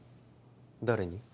誰に？